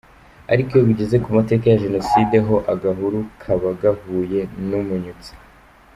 Ariko iyo bigeze ku mateka ya jenoside ho agahuru kaba gahuye n’umunyutsi.